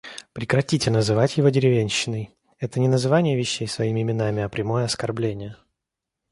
Прекратите называть его деревенщиной! Это не называние вещей своими именами, а прямое оскорбление.